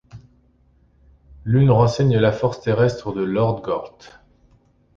L'une renseigne la force terrestre de Lord Gort.